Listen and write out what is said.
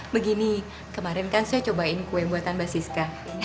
begini kemarin kan saya cobain kue buatan mba siska